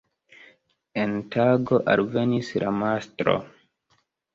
En tago, alvenis la mastro.